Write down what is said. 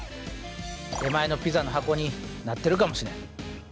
出前のピザの箱になってるかもしれん。